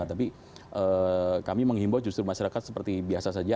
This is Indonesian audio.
tapi kami menghimbau justru masyarakat seperti biasa saja